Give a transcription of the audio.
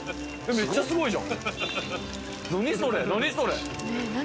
めっちゃうまいじゃん！